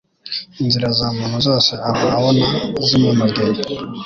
Inzira za muntu zose ahora abona zimunogeye